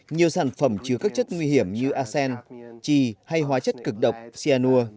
nhiều sản phẩm chứa các chất nguy hiểm như arsen chi hay hóa chất cực độc cyanur